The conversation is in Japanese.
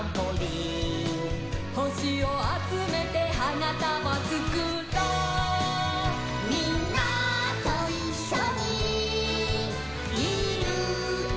「ほしをあつめてはなたばつくろ」「みんなといっしょにいるだけで」